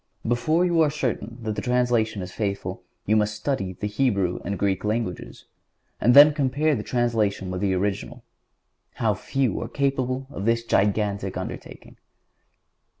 Before you are certain that the translation is faithful you must study the Hebrew and Greek languages, and then compare the translation with the original. How few are capable of this gigantic undertaking!